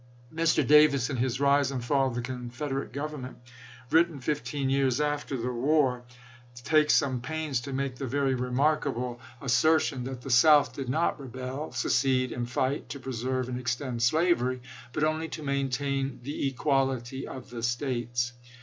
Mr. Davis, in his " Rise and Fall of the Confed erate Government," written fifteen years after the war, takes some pains to make the very remark 200 ABRAHAM LINCOLN chap. xiii. able assertion that the South did not rebel, secede, and fight to preserve and extend slavery, but only to maintain " the equality of the States."